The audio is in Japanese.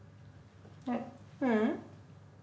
えううん。